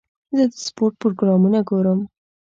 زه د سپورټ پروګرامونه ګورم.